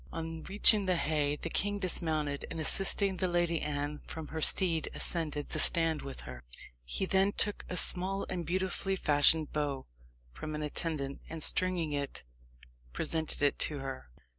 On reaching the haye, the king dismounted, and assisting the Lady Anne from her steed, ascended the stand with her. He then took a small and beautifully fashioned bow from an attendant, and stringing it, presented it to her.